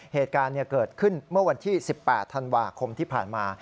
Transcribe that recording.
เหตุการณ์เกิดขึ้นเมื่อวันที่๑๘ธันวาคมที่ผ่านมา